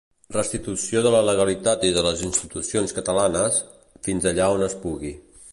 Restitució de la legalitat i de les institucions catalanes, fins allà on es pugui.